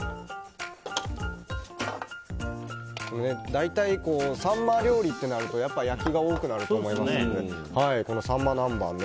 大体サンマ料理となると焼きが多くなると思いますのでこのサンマ南蛮